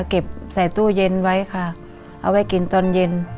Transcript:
เก็บใส่ตู้เย็นไว้ค่ะเอาไว้กินตอนเย็น